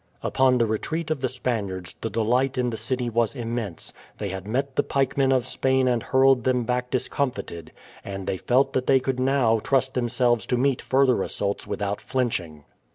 Upon the retreat of the Spaniards the delight in the city was immense; they had met the pikemen of Spain and hurled them back discomfited, and they felt that they could now trust themselves to meet further assaults without flinching.